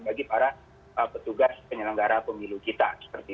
bagi para petugas penyelenggara pemilu kita